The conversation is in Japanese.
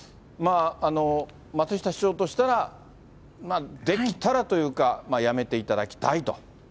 松下市長としたら、できたらというか、やめていただきたいと。